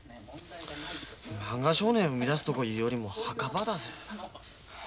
「漫画少年」を生み出すとこいうよりも墓場だぜ。